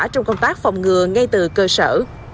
trong công tác phòng ngừa ngay từ cơ sở